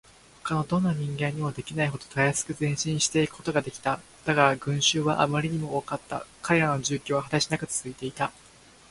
ほかのどんな人間にもできないほどたやすく前進していくことができた。だが、群集はあまりにも多かった。彼らの住居は果てしなくつづいていた。